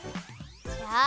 じゃあ。